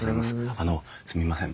あのすみません。